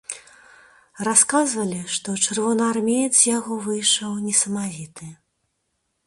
Расказвалі, што чырвонаармеец з яго выйшаў несамавіты.